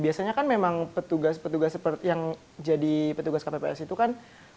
biasanya kan memang petugas petugas yang jadi petugas kpps itu kan